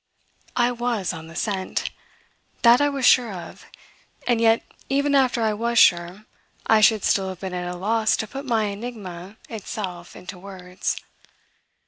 I was on the scent that I was sure of; and yet even after I was sure I should still have been at a loss to put my enigma itself into words.